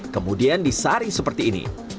kemudian disaring seperti ini